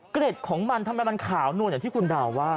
เกร็ดของมันทำไมมันขาวนวลอย่างที่คุณดาวว่า